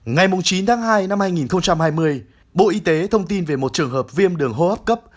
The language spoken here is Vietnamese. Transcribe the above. ngày chín tháng hai năm hai nghìn hai mươi bộ y tế thông tin về một trường hợp viêm đường hô hấp cấp